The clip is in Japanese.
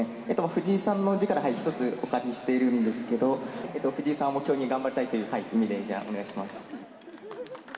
藤井さんの字から１つ、お借りしているんですけれども、藤井さんを目標に頑張りたいという意味で、じゃあ、お願いします。